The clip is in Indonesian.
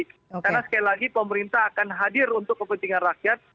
karena sekali lagi pemerintah akan hadir untuk kepentingan rakyat